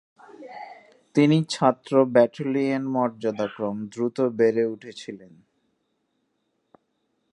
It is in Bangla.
তিনি ছাত্র ব্যাটেলিয়ন মর্যাদাক্রম দ্রুত বেড়ে উঠছিলেন।